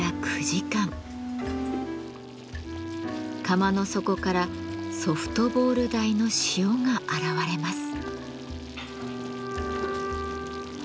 釜の底からソフトボール大の塩が現れます。